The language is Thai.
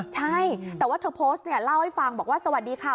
ใช่แต่ว่าเธอโพสต์เนี่ยเล่าให้ฟังบอกว่าสวัสดีค่ะ